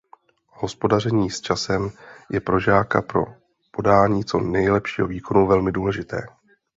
Hospodaření s časem je pro žáka pro podání co nejlepšího výkonu velmi důležité.